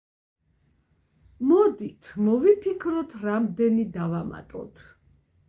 მოდით, მოვიფიქროთ რამდენი დავამატოთ.